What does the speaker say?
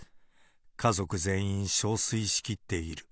家族全員しょうすいしきっている。